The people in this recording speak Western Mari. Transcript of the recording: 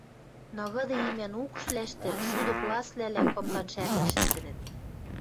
Ныгыды имӓн укшвлӓштӹ шуды пласвлӓлӓ кымдан шӓрлен шӹнзӹнӹт